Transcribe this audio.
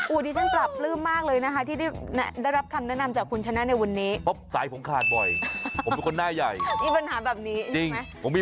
ดิฉันปรับปลื้มมากเลยนะคะที่ได้รับคำแนะนำจากคุณชนะในวันนี้